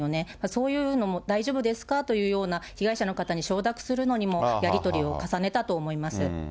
そういうのも、大丈夫ですかというような、被害者の方に承諾するのにもやり取りを重ねたと思います。